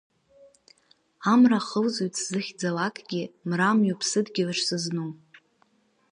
Амра ахылҵуеит сзыхьӡалакгьы, мрамҩоуп сыдгьылаҿ сызну.